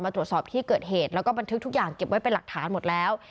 ตรวจสอบที่เกิดเหตุแล้วก็บันทึกทุกอย่างเก็บไว้เป็นหลักฐานหมดแล้ว